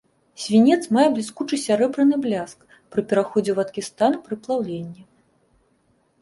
Свінец мае бліскучы сярэбраны бляск, пры пераходзе ў вадкі стан пры плаўленні.